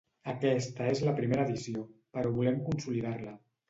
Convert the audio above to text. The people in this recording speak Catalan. Aquesta és la primera edició, però volem consolidar-la.